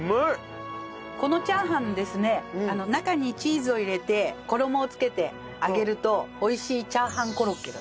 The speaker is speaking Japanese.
このチャーハンですね中にチーズを入れて衣をつけて揚げると美味しいチャーハンコロッケが。